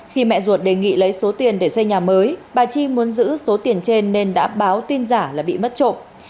khi mẹ ruột đề nghị lấy số tiền để xây nhà mới bà chi muốn giữ số tiền trên nên đã báo tin giả là bị mất trộm